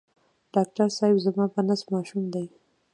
ډاکټر صېب زما په نس ماشوم دی